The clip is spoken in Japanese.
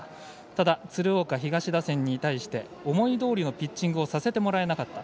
ただ、鶴岡東打線に対して思いどおりのピッチングをさせてもらえなかった。